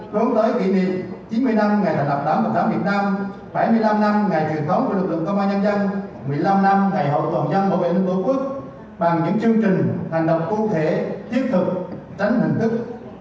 tối tới kỷ niệm chín mươi năm ngày thành lập đảng bảo tire việt nam bảy mươi năm năm ngày truyền thống của lực lượng của bộ công an nhân dân một mươi năm năm ngày hậu phần th un và bộ bệnh tổ quốc bằng những chương trình hành động tốt thể thiết thực tránh hình thức